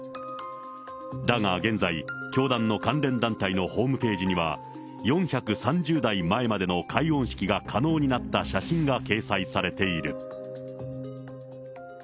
だが現在、教団の関連団体のホームページには、４３０代前までの解怨式が可能になった写真が掲載されている。